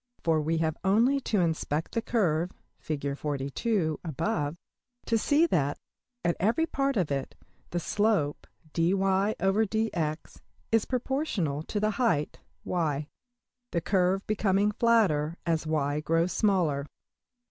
For we have only to inspect the curve, \Fig above, to see that, at every part of it, the slope~$\dfrac{dy}{dx}$ is proportional to the height~$y$; the curve becoming flatter as $y$~grows smaller.